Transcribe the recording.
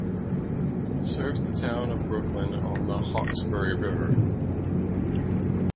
It serves the town of Brooklyn on the Hawkesbury River.